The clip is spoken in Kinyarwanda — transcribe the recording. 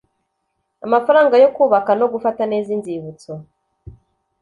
Amafaranga yo kubaka no gufata neza inzibutso